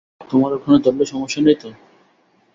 তোমার ওখানে ধরলে সমস্যা নেই তো?